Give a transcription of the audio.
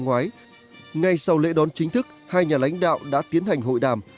ngoái ngay sau lễ đón chính thức hai nhà lãnh đạo đã tiến hành hội đàm